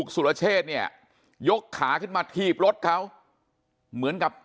สุรเชษเนี่ยยกขาขึ้นมาถีบรถเขาเหมือนกับ